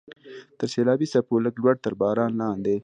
تر سیلابي څپو لږ لوړ، تر باران لاندې.